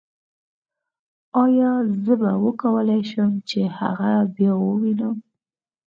ایا زه به وکولای شم چې هغه بیا ووینم